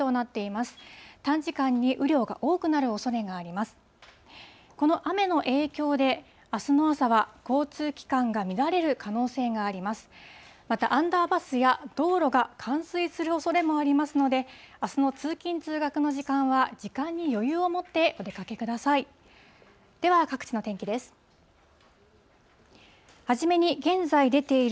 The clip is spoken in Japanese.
またアンダーパスや道路が冠水するおそれもありますので、あすの通勤・通学の時間は時間に余裕を持ってお出かけください。